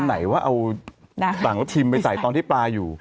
ไหนว่าเอาทีมไปใส่ตอนที่ปลาอยู่